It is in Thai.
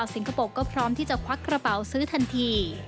คโปร์ก็พร้อมที่จะควักกระเป๋าซื้อทันที